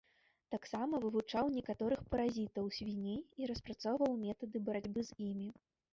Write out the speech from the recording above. Таксама вывучаў некаторых паразітаў свіней і распрацоўваў метады барацьбы з імі.